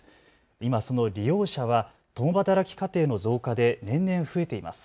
今その利用者は共働き家庭の増加で年々増えています。